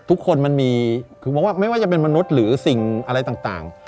มันมีคือมองว่าไม่ว่าจะเป็นมนุษย์หรือสิ่งอะไรต่าง